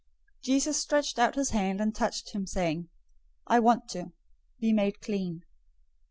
008:003 Jesus stretched out his hand, and touched him, saying, "I want to. Be made clean."